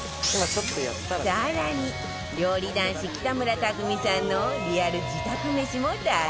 更に料理男子北村匠海さんのリアル自宅めしも大公開